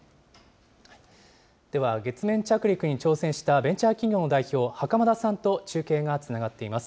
では、月面着陸に挑戦したベンチャー企業の代表、袴田さんと中継がつながっています。